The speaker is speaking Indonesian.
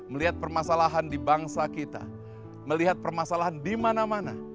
melihat permasalahan di bangsa kita melihat permasalahan dimana mana